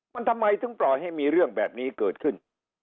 มันทำไมถึงปล่อยให้มีเรื่องแบบนี้เกิดขึ้น